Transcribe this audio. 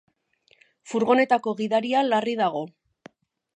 Furgonetako gidaria larri dago.